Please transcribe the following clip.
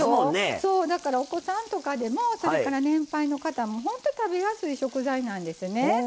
そうだからお子さんとかでもそれから年配の方もほんとに食べやすい食材なんですね。